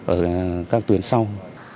ở các tuyến sau